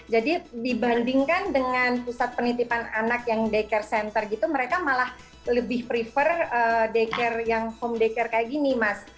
jadi dibandingkan dengan pusat penitipan anak yang daycare center gitu mereka malah lebih prefer daycare yang home daycare kayak gini mas